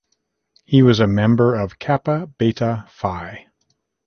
He was a member of Kappa Beta Phi.